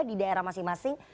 di daerah masing masing